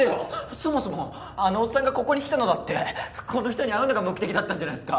そもそもあのおっさんがここに来たのだってこの人に会うのが目的だったんじゃないんすか？